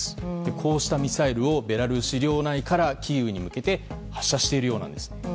こうしたミサイルをベラルーシ領内からキーウに向けて発射しているようなんです。